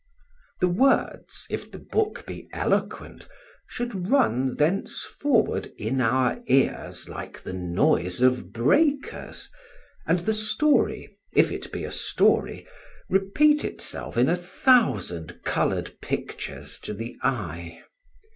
The words, if the book be eloquent, should run thence forward in our ears like the noise of breakers, and the story, if it be a story, repeat itself in a thousand coloured pictures to the eye.